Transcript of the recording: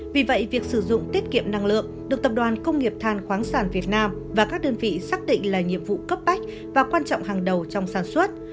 vì vậy việc sử dụng tiết kiệm năng lượng được tập đoàn công nghiệp than khoáng sản việt nam và các đơn vị xác định là nhiệm vụ cấp bách và quan trọng hàng đầu trong sản xuất